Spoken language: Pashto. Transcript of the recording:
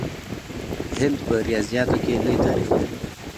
هند په ریاضیاتو کې لوی تاریخ لري.